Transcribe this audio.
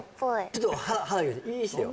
ちょっと歯だけイーしてよ